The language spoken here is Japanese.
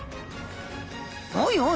「おいおい！